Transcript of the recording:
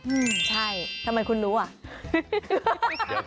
อืมใช่ทำไมคุณรู้อ่ะ